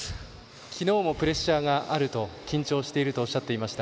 きのうもプレッシャーがあると緊張しているとおっしゃっていました。